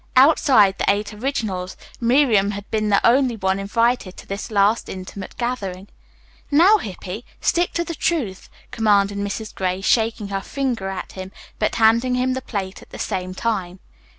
Outside the "Eight Originals," Miriam had been the only one invited to this last intimate gathering. "Now, Hippy, stick to the truth," commanded Mrs. Gray, shaking her finger at him, but handing him the plate at the same time.